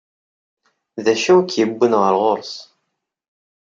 D acu i k-yewwin ɣer ɣur-s?